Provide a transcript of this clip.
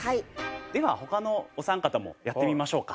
では他のお三方もやってみましょうか。